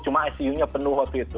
cuma icu nya penuh waktu itu